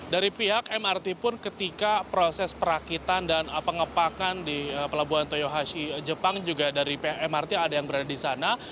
dari pihak mrt pun ketika proses perakitan dan pengepakan di pelabuhan toyohashi jepang juga dari mrt ada yang berada di sana